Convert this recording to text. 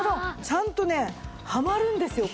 ちゃんとねはまるんですよ。